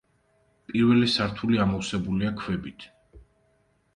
პირველი სართული ამოვსებულია ქვებით.